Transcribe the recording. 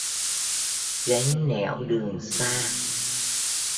Gánh nẻo đường xa